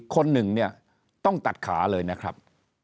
คนหนึ่งเนี่ยต้องตัดขาเลยนะครับ